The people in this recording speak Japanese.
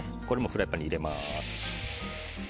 これもフライパンに入れます。